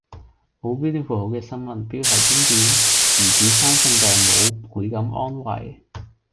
冇標點符號嘅新聞標題經典：兒子生性病母倍感安慰